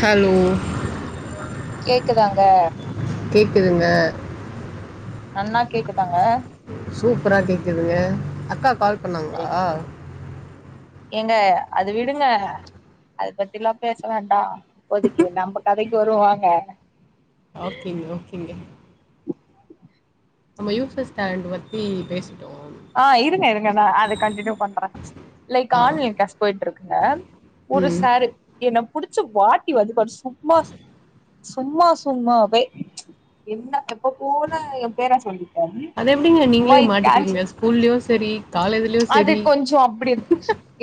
Hello கேக்குதாங்க கேக்குதுங்க நன்னா கேக்குதாங்க சூப்பரா கேக்குதுங்ங அக்கா கால் பண்ணாங்களா ஏங்க அது விடுங்க அத பத்திலா பேச வேண்டா இப்போதைக்கு நம் கதைக் கி வருவோ வாங்க ஓகேங்க ஓகேங்கே நம்ம யூஸ்லெஸ்டாண்டு பத்தி பேசிட்டோ ஆ இருங்க இருங்க நா அத கண்டின்யூ பண்றே லைக் ஆ ஆன்லைன் கிளாஸ் போயிட்டு இருக்குங்க ஒரு ம் சாரு என்ன புடிச்சு வாட்டி வதப்பாரு சும்மா சும்மா சும்மாவே என்ன எப்ப போன எ பேர சொல்லி அது எப்டிங்க நீங்ளே மாட்டிக்கிறீங்க ஸ்கூல்லயு செரி காலேஜ் அது கொஞ்சோ அப்டி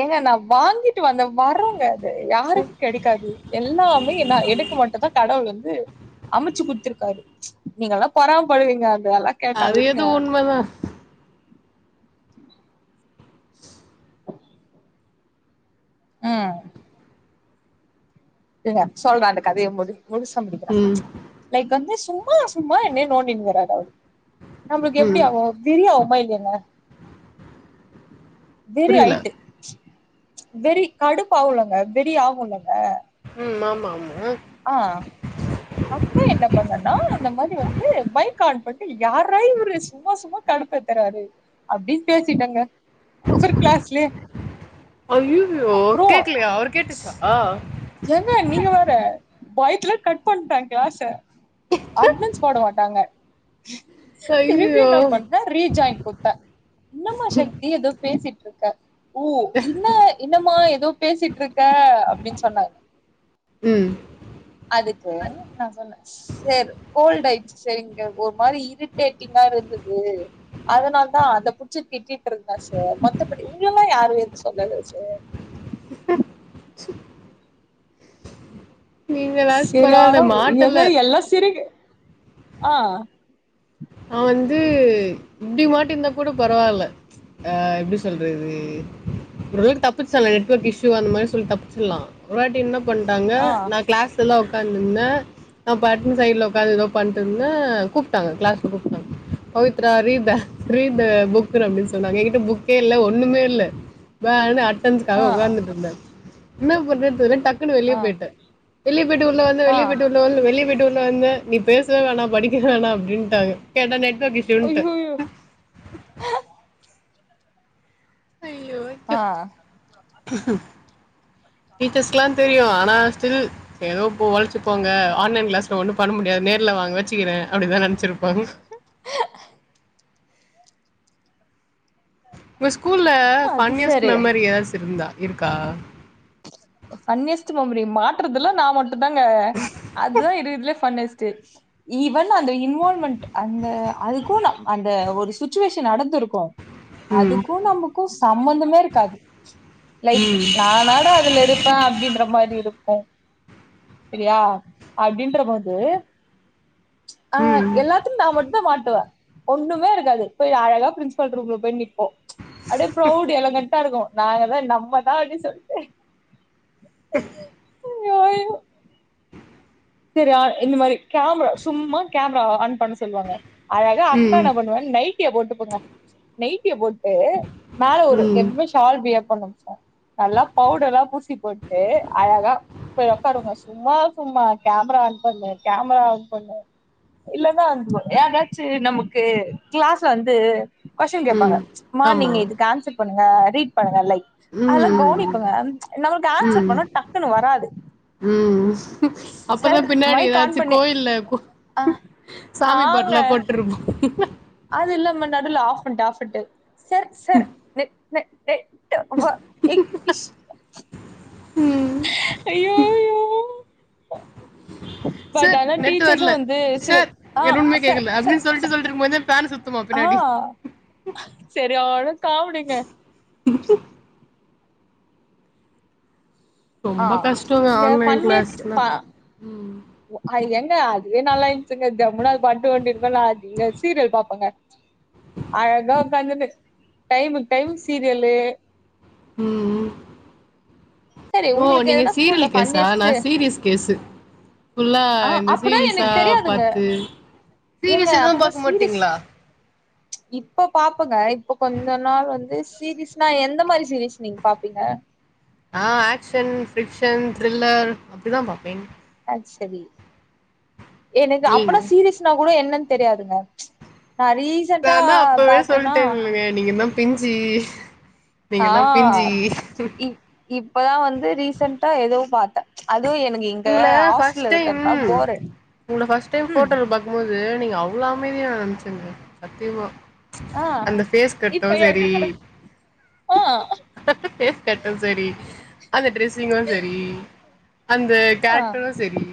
ஏங்க நா வாங்கிட்டு வந்த வர்ரோங்க யாருக் கெடக்காது எல்லாமே நா எனக் மட்டுந்தா கடவுள் வந்து அமச்சு குடுத்துருக்காரு நீங்கல்லா பொறாம படுவீங்க அந்த அல அது ஏதோ உண்மதா ஆ இருங்க சொல்றே அந்த கதயபோது முழுசா முடிக்குறே ம் லைக் வந்து சும்மா சும்மா என்னயே நோன்டினுக்குறாரு அவரு நம்ளுக்கு எப்டி ம் ஆகு வெறியாவுமா இல்லயாங்க வெறி புரியல ஆய்ட்டு வெறி கடுப்பு ஆகுலங்க வெறி ஆகுலங்க ம் ஆமா ஆமா ஆ அப்ப என்ன பண்ணனா இந்த மாரி வந்து மைக்கான் பண்ட்டு யார்ரா இவரு சும்மா சும்மா கடுப்பேத்துராரு அப்டினு பேசிட்டங்க அவரு கிளாஸ்லயே அய்யூயோ அப்றோ கேக்லயா அவர்கு கேட்ரிச்சா ஏங்க நீங்க வேற பயத்துல கட் பண்ட கிளாச அட்னன்ஸ் போட மாட்டாங்க திரிப்பியு ஐயோ நா பண் ணே ரீஜாய்ண் குத்த இன்னமா சக்தி எதோ பேசிட்டு இருக்க உ இன்னா இன்னம்மா ஏதோ பேசிட்ருக்க அப்டின் சொன்னாரு ம் அதுக்கு நா சொன்னே சர் கோல்டு ஆயிச்சு சரி இங்க ஒரு மாரி இரிட்டேட்டிங்காயிருந்தது அதனால தா அத புச்சி திட்டிட்யிருந்தே சார் மத்தபடி உங்லலா யாரு எதுவு சொல்லல சார் நீங்களாச்சும் செரியான பரவாயில்ல ஏங்க மாட்டலை எல்லா சிரிக் ஆ நா வந்து இப்டி மாட்டியிருந்தா கூட பரவால்ல ஆ எப்டி சொல்றது ஒரு வாட்டி தப்பிஷ்டாங்க நெட்வொர்க் இஷ்யூ அந்மாரி சொல்லி தப்ச்சிர்லா ஒரு வாட்டியின்ன பண்டாங்க ஆ நா கிளாஸ்ல்லா ஒக்காந்துர்ந்த நா பாட்னு சைட்ல ஒக்காந் ஏதோ பண்டுயிருந்த கூப்ட்டாங்க கிளாஸ் கூப்டாங்க Pavithra read the read the புக்குனு அப்டின் சொன்னாங்க எங்கிட்ட புக்கே இல்ல ஒன்னுமே இல்ல பா னு அட்னன்ஸ்க்காக ஆ ஒக்காந்துட்ருந்தே என்னா பண்றது தெர்ல டக்குனு வெளிய ஆ போயிட்ட வெளியே போய்ட்டு உள்ள வந்தே ஆ வெளியே போய்ட்டு உள்ள வந்தே வெளியே போய்ட்டு உள்ள வந்தே நீ பேசவே வேணா படிக்கவே வேணா அப்டின்ட்டாங்க கேட்டா நெட்டுவொர்க் இஷ்யூ ஐயோய்யோ ஐயோ ஐ ஆ டீச்சர்ஸ்கெல்லா தெரியு ஆனா ஸ்டில் ஏதோ போழச்சி போங்க ஆன்லைன் கிளாஸ்ல ஒன்னு பண்ண முடியாது நேர்ல வாங்க வெச்சிக்கிறே அப்டிதா நெனச்சிர்ப்பாங் உங்க ஸ்கூல்ல அது ஃபன்னியஸ்ட் சரி மெமரி எதாசுயிருந்தா இருக்கா ஃபன்னியஸ்ட்டு மெம்ரி மாட்றதுல்லா நா மட்டுதாங்க அதுதா இருகதுலே ஃபன்னியஸ்ட்டு ஈவன் அந்த இன்வால்மென்ட் அந்த அதுகோ நா அந்த ஒரு சுச்சிவேஷன் நடந்திருக்கு ம் அதுக்கு நமக்கு சம்பந்தமே இருக்காது லைக் நானாட அதுல இரு ப்பா அப்டின்ற மாரி இருக்கு செரியா அப்டின்ற போது ஆ ம் எல்லாத்துக்கு நா மட்டு தா மாட்டுவே ஒண்ணுமே இருக்காது போய் அழகா பிரின்சிபல் ரூம்ல போய் நிப் போ அப்டியே ப்ரௌட் எல்லகேன்டா இருக்கு நாங்க தா நம்மதா அப்டின் சொல்ட்டு ஐயோ ஐயோ சேரி ஆ இந்த மாரி கேமரா சும்மா கேமரா ஆன் பண்ண சொல்லுவாங்க அழகா அக்கா ம் நா பண்ணுவே நைட்டிய போட்டுகோங்க நைட்டிய போட்டு மேல ஒரு ம் ம் எப்பமே ஸா ஷால் வியர் பண்ணும் சார் நல்லா பவுடர்ல்லா பூசி போட்டு அழகா போய் ஒக்காருங்க சும்மா சும்மா கேம்ரா ஆன் பண்ணு கேம்ரா ஆன் பண்ணு இல்லனா யாருனாச்சு நமக்கு கிளாஸ்ல வந்து கொஸ்டின் கேப்பாங்க ம் மா ஆமா நீங்க இதுக்கு ஆன்சர் பண்ணுங்க ரீட் பண்ணுங்க லைக் அதெல்லா ம் கவனிப்பு மேம் ம்ச் நமளுக்கு ம் ஆன்சர் ம் பண்ண டக்குன்னு வராது ம் அப்பனா சார் பின்னாடி மைக் ஆன் ஏதாச்சு பண்ணி கோயில்ல போ ஆ சாமி ஆங்க பாட்டுலா போட்ருக்கு அது இல்லாம நாடுல ஆஃப் பண்ட்டு ஆஃப் பண்ட்டு சர் சர் நெ நெ டே வ க் ஷ் ஐயோ ஐயோ பட் சார் ஆனா நெட்டு டீச்சர்ஸு வர்ல வந்து சில சார் ஆ எதுமே ச கேக்கல ச அப்டின் சொல்ட்டு ச சொல்ட்டுயிருக்கும் போதே ஃபேன் சுத் ஆ செரியான காம்டிங்க ஆ ரொம்ப கஷ்டோங்க இந்த ஆன்லைன் கிளாஸ்னா ஆ எங்க அதுவே நல்லாயந்துச்சுங்க ஜம்முன்னா அது பண்டுட்டு வண்டிருக்கேன்ல்ல அ சீரியல் பாப்பேங்க அழகா உக்காந்துட்டு டைமுக்கு டைமுக்கு சீரியலு உம் ம் சரி ஓ உங்களுக்கு நீங்க எதனா ஸ்கூல்ல சீரியல் கேசா நா ஃபன்னியஸ்ட்டு சீரியஸ் கேசு புல்லா ஆ இந்த அப்பனா சீரிஸா எனக்கு தெரியாதுங்க பாத்து ஏங்க சீரிஸ் எதுவு அப்பனா பாக்க சீரியஸ் மாட்டீங்களா இப்ப பாப்பங்க இப்ப கொஞ்ச நாள் வந்து சீரீஸ்னா எந்த மாரி சீரீஸ் நீங்க பாப்பீங்க நா ஆக்க்ஷன் ஃபிரிக்க்ஷன் த்ரில்லர் அப்படிதா பாப்பே அது சேரி எனக்கு அப்பனா நீங்க சீரியஸ் னகூட என்னன்னு தெரியாதுங்க ம்ச் நா ரீஸ் நாதா அப்பவே சொல்லிட்டேன் இல்லங்க நீங்க தா பிஞ்ஜி ஆ நீங்கல்லா பிஞ்ஜி இ இப்பதா வந்து ரீசென்ட எதவு பாத்தே அதுவு எனக்கு இங்க உங்கள ஃபஸ்ட் ஹாஸ்டல்ல டைம் இருக்கதா போரு அடி ம் இருக்கும்போது நீங்க அவ்ளோ அமைதிய நா நினச்செருந்த சத்தியமா ம்ச் ஆ அந்த பேஸ் இப்ப கட்டும் சேரி எப்டிங்க ஆ பேஸ்கட்டு சரி அந்த ட்ரெஸ்ஸிங்கு சேரி அந்த ஆ கேரக்டரு சேரி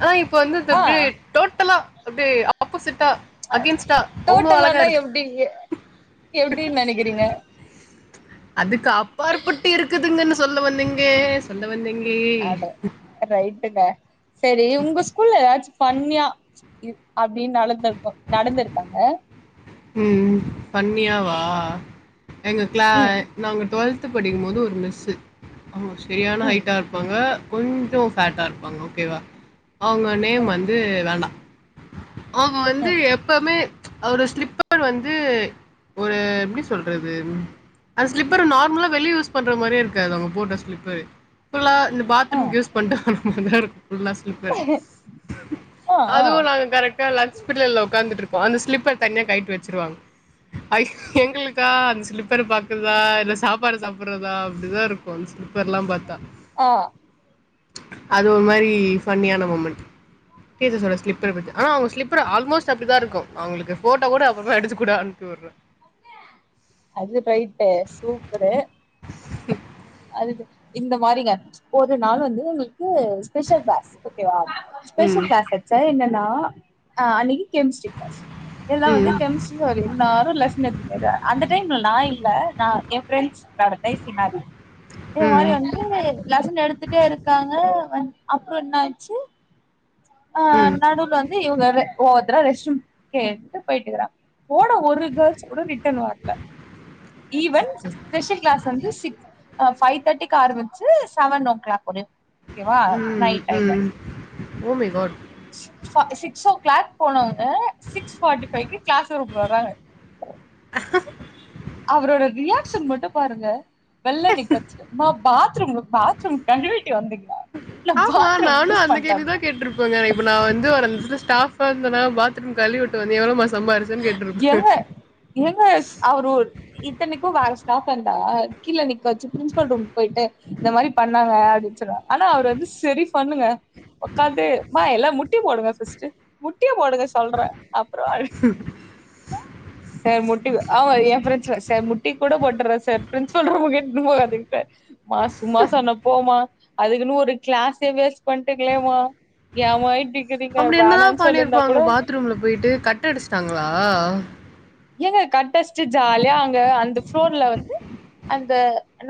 ஆனா இப்ப வந்து அது ஆ அப்படியே டோட்டலா அப்படியே அப்பப்போ ஆபோசிட்டா அகேன்ஸ்டா அவ்வளோ அளகா இருக்கு அப்பிடியே எப்படின்னு நெனைக்கிறீங்க அதுக்கு அப்பாற்பட்டு இருக்குதுங்கனு சொல்ல வல்லீங்கே சொல்ல வல்லீங்ளே அட ரைட்டுங்க சேரி உங்க ஸ்கூல்ல எதாச்சி ஃபன்யா இப் அப்டின் நளந்தருக்கூ நடந்துருக்காங்க ம் ஃபன்னியாவா எங்க க்ள ம் நாங்க டுவல்த்து படிக்கும்போது ஒரு மிஸ்ஸூ அவங்க செரியான ம் ஹைட்டா இருப்பாங்க கொஞ்சோ ஃபேட்டா இருப்பாங்க ஓக்கேவா அவங்க நேம் வந்து வேண்டா அவங்க வந்து ம் எப்பமே அவோட ஸ்லிப்ப ர் வந்து ஒரு எப்டி சொல்றது ம் அந்த ஸ்லிப்பரு நார்மலா வெளிய யூஸ் பண்ற மாரியே இருக்காது அவங்க போட்ற ஸ்லிப்பரு ஃபுல்லா இந்த ம் பாத்ரூம்கு யூஸ் பண்ட மாருக்கூ புல்லா ஸ் லிப்பரு ஆ ஆ ஆ அதுவு நாங்க கரெக் எல்லா லஞ்ச்பிடியல்ல உக்காந்துட்ருப்போண அந்த ஸ்லிப்பர் தனியா கயிட்டு வச்சுருவாங் ஐ எங்களுக்கா அந்த ஸ்லிப்பர பாக்குறதா இல்ல சாப்பாடு சாப்புட்றதா அப்டிதா இருக்கூ அந்த ஸ்லிப்பர்லா பாத்தா ஆ அது ஒரு மாரி ஃபன்னியான மொமண்ட் டீசஸோட ஸ்லிப்பர பாத்து ஆனா அவங்க ஸ்லிப்பர் ஆல்மோஸ்ட் அப்டிதா இருக்கூ அவங்களுக்கு போட்டோ கூட உவ எடுத்து கூட அனுப்பி வுர்ற அது ரைட்டு சூப்பரு அது இந்த மாரிங்க ஒரு நாள் வந்து உங்களுக்கு ஸ்பெஷல் க்ளாஸ் ஒக்கே வா ம் ஸ்பெஷல் க்ளாஸ் வச்சாங்க என்னன்னா ஆ அன்னக்கி கெமிஸ்ட்ரி க்ளாஸ் இதுதா வந்து ம் கெமிஸ்ட்ரி சார் இருந்தா நானு லெசன் எத்துக்கர அந்த டைம்ல நா இல்ல நா ஏ ஃப்ரெண்ட்ஸ் நடத்தை சிமாரி இதே மாரி ம் வந்து லெசன் எடுத்துட்டே இருக்காங்க அப்றோ என்னாச்சு ஆ ம் நடுல வந்து இவகார ஒவ்வொத்தரா ரெஸ்ட் ரூம் கேட்டு போயிட்டு வராங் போன ஒரு கேள்ஸ் கூட ரிட்டன் வர்ல ஈவன் ஸ்பெஷல் க்ளாஸ் வந்து சிக் ஆ ஃபைவ் தேட்டிக்கு ஆரமிச்சு செவனோ க்ளாக் வுடு ஓக்கேவா ம் ம் நைட் டைம்ல ம் ஓ மை காட் சிக்ஸா சிக்ஸ் ஓ க்ளாக் போனவங்க சிக்ஸ் ஃபாட்டி ஃபைக்கு க்ளாஸ் ரூம்க்கு வராங்க அவரோட ரியாக்ஷன் மட்டு பாருங்க வெள்ள நிக்க வச்சுட்டு மா பாத்ரூமு பாத்ரூம் கழுவிட்டு வந்தீங்களா இல்ல ஆமா பாத்ரூம் நானு யூஸ் அந்த பண்ட்டாங்க கேள்விதா கேட்ருப்பேங்க இப்ப நா வந்து ஒரு எடத்துல ஸ்டாஃப்பா இருந்தேனா பாத்ரூம் கழிவுட்டு வந்த எவ்ளோமா எங்க எங்கஸ் அவர் ஒர் இத்தனைக்கு வேற ஸ்டாஃப்பா இருந்தா கீழ நிக்க வச்சு ப்ரின்ஸிபல் ரூம்க்கு போய்ட்டு இந்த மாரி பண்ணாங்க அப்டின் சொன்னா ஆனா அவுரு வந்து செரி ஃபண்ணுங்க உக்காந்து மா எல்லா முட்டி போடுங்க பஸ்ட்டு முட்டி போடுங்க சொல்ற அப்றோ ம் சார் முட்டி ஆமா ஏ ஃப்ரன்ஸுலா சார் முட்டி கூட போட்ரோ சார் ப்ரின்ஸ்பல் ரூமுக்கு இட்னு போகாதிங்க சார் மா சும்மா சொன்ன போமா அதுக்குனு ஒரு க்ளாஸே வேஸ்ட் பண்ட்டிங்கலேமா யாமா இப்டி இ வீங்க வணான் சொல்லிருந்தா கூட த்ரூம்ல போயிட்டு கட்டடிச்சிடாங்களா ஏங்க கட்டச்டு ஜாலியா அங்க அந்த ஃப்ளோர்ல வந்து அங்க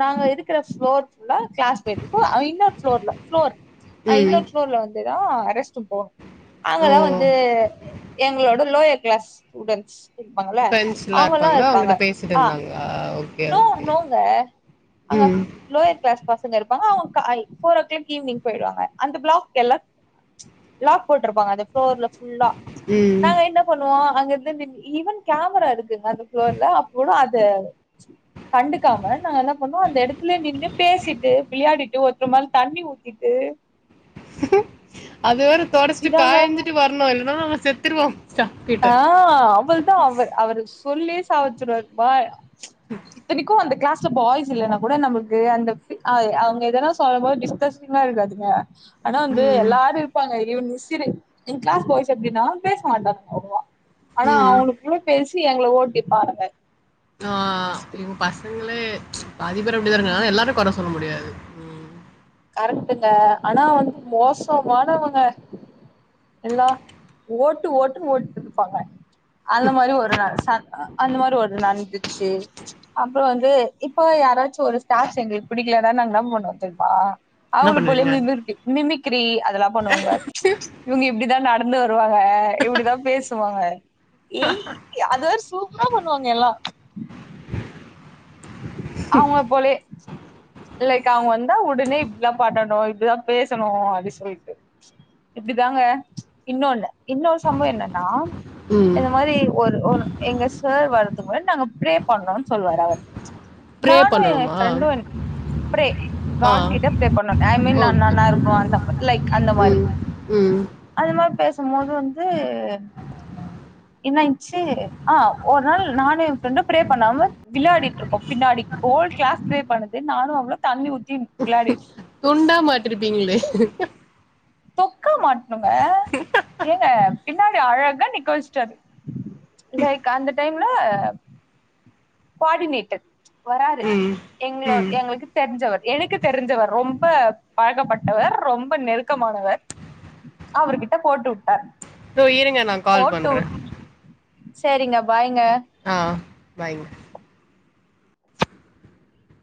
நாங்க இருக்கற ஃபளோர்த்துல கிளாஸ் போயிட்ருக்கு ஐந்தாவது ஃப்ளோர்ல ஃப்ளோர் அ ம் இன்னொரு ஃப்ளோர்ல வந்துதா அ ரெஸ்ட் ரூம் போணு ஓ அதல்லா வந்து எங்களோட லோயர் கிளாஸ் ஸ்டூடெண்ட்ஸ் இருப்பாங்கல்ல பிரெண்ட்ஸ் எல்லா அவங்கல்லா இருப்பாங்க அவுங்கிட்ட பேசிட்டு ஆ இருந்தாங்களா ஓகே நோ ஓகே நோங்க ம் லோயர் கிளஸ் பசங்க இருப்பாங்க அவுங்க ஃபோர் ஓ கிளாள் ஈவினிங் போய்டுவாங்க அந்த பிளாக்ஸ் எல்லா லாக் போட்ருப்பாங்க அந்த ஃப்ளோர்லல்ல ஃப்ல்லா ம் நாங்க என்ன பண்ணுவோ அங்க இருந்த ஈவன் கேமரா இருக்குங்க அந்த ஃப்ளோர்லல்ல அப்ப கூட அது கண்டுக்காம நா என்ன பண்ண அந்த இடத்துல நின்னு பேசிட்டு விளையாடிட்டு ஒருத்த மேல தண்ணி ஊத்திட்டு அது வேற தொடச்சிட்டு இதாங்க காயஞ்சிட்டு வரணும் இல்ன்னா நம்ம செத்துருவோம் சார் கிட்ட ஆ அவ்ள தான் அவர் அவர் சொல்லி சாவடிச்சுடுவாரு பா இத்தனைக்கும் அந்த கிளாஸ் பாய்ஸ் இல்லன்னா கூட நமக்கு அந்த அந்த பீ அ அவங்க எதானா சொல்லும்போது டிஸ்கஸ்டிங்கா இருக்காதுங்க ஆனா வந்து ம் எல்லாரும் இருப்பாங்க ஐ மிஸ்டி கிளாஸ் பாய்ஸ் எப்டின்னா பேச மாட்டாங்க அவ்ளவா ஆனா ம் அவனுக்குள்ள பேசி எங்களை ஓட்டிபானுங்க ஆ ஐயோ பசங்களே பாதிபேரு அப்டிதானுங்க ஆனா எல்லாரும் கொற சொல்ல முடியாது ம். கரெக்டுங்க ஆனா வந்து மோசமானவங்க எல்லா ஓட்டு ஓட்டுன்னு ஓட்டுட்டு இருப்பாங்க அந்த மாதிரி ஒரு நாள் சார் அந்த மாதிரி ஒரு நடந்துச்சு அப்றம் வந்து இப்போ யாராச்சும் ஒரு ஸ்டாப் எங்களுக்கு புடிக்கலன்னா நாங்க நம்ப பண்ணுவோம் தெரிமா என்ன அவுங்க போலயே பண்ணுவீங்க இன்னொருத்தி மிமிகிரி அதெல்லா பண்ணுவாங்க இவுங்க இப்டிதான் நடந்து வருவாங்க இப்டிதா பேசுவாங்க ஏய் அதுவேர சூப்ரா பண்ணுவாங்க எல்லா அவுங்க போல்யே லைக் அவுங்க வந்தா உடனே இப்டில்லா பண்ணனு இப்டில்லா பேசணு அப்டி சொல்ட்டு இப்டி தாங்க இன்னொன்னு இன்னொரு சம்பவம் என்னன்னா ம் இந்த மாரி ஒரு ஒரு எங்க சார் வர்றத்துக்கு முன்னாடி நாங்க ப்ரேயர் பன்னுன்னு சொல்வார் அவர் ப்ரே நானு ஏ பண்ணணுமா பிரண்டு பிரே ஆ காட் கிட்ட ப்ரே பண்ண ஐ மீன் நா ஓகே நானா இருக்கும் அது லைக் அந்த மாதிரி ம் ம் அது மார் பேசும்போது வந்து என்னாயிச்சு ஆ ஒரு நாள் நானும் என் ஃப்ரெண்டு ப்ரே பண்ணாம விளையாடிட்டு இருக்கே பின்னாடி ஓல்டு் கிளாஸ் ப்ரே பண்ணது நானும் அவ்ளு தண்ணி ஊத்தி விளையாடி துண்டா மாட்டிருப்பீங்களே தொக்கா மாட்டணுங்க ஏங்க பின்னாடி அழகா நிக்கவச்ட்டாரு லைக் அந்த டைம்ல கோவாடினேட்டர் வராரு ம் எங்களோ ம் எங்களுக்கு தெரிஞ்சவர் எனக்கு தெரிஞ்சவர் ரொம்ப பழகப்பட்டவர் ரொம்ப நெருக்க க்கமானவர் அவர்கிட்ட போட்டுவுட்டார் தோ இருங்க நான் கால் போட்டு பண்றேன் உட் சரிங்க பைங்க ஆ பைங்க